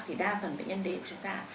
thì đa phần bệnh nhân đến chúng ta